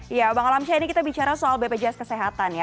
iya bang alamsyah ini kita bicara soal bpjs kesehatan ya